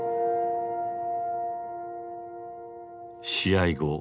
試合後